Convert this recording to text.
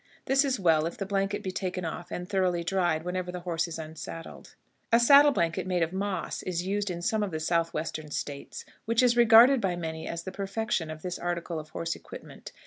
This is well if the blanket be taken off and thoroughly dried whenever the horse is unsaddled. A saddle blanket made of moss is used in some of the Southwestern States, which is regarded by many as the perfection of this article of horse equipment.